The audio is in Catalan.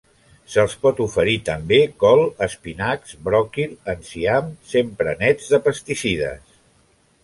Se'ls pot oferir també col, espinacs, bròquil, enciam, sempre nets de pesticides.